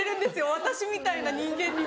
私みたいな人間にも。